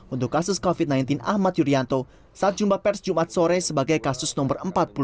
untuk kasus covid sembilan belas ahmad yuryanto saat jumpa pers jumat sore sebagai kasus nomor empat puluh lima